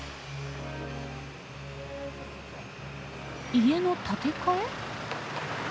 家の建て替え？